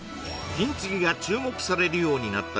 金継ぎが注目されるようになった